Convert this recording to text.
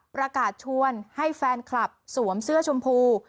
ประกาศชวนให้แฟนคลับสวมเสื้อชมพู